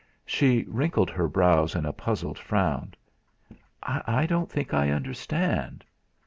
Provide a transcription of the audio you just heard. She wrinkled her brows in a puzzled frown. "I don't think I understand."